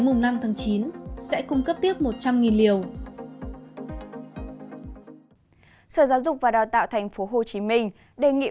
mùng năm tháng chín sẽ cung cấp tiếp một trăm linh liều sở giáo dục và đào tạo thành phố hồ chí minh đề nghị